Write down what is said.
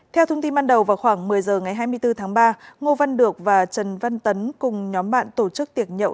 theo thông tin ban đầu vào khoảng một mươi h ngày hai mươi bốn tháng ba ngô văn được và trần văn tấn cùng nhóm bạn tổ chức tiệc nhậu